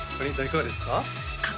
いかがですか？